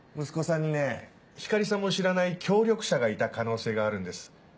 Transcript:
息子さんにね光莉さんも知らない協力者がいた可能性があるんです。